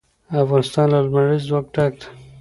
افغانستان له لمریز ځواک ډک دی.